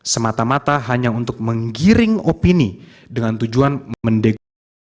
semata mata hanya untuk menggiring opini dengan tujuan mendeglang